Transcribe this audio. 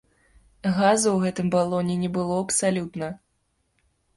Газу ў гэтым балоне не было абсалютна.